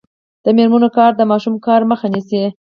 د میرمنو کار د ماشوم کار مخه نیسي.